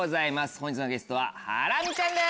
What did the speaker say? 本日のゲストはハラミちゃんです。